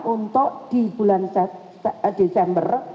untuk di bulan desember